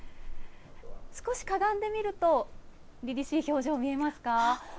少しかがんで見ると、凛々しい表情、見えますか？